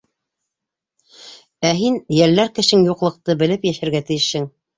«Ә һин йәлләр кешең юҡлыҡты белеп йәшәргә тейешһең!».